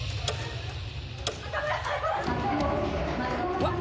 うわっ！